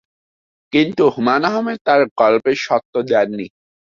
কিন্তু হুমায়ূন আহমেদ তার গল্পের স্বত্ব দেন নি।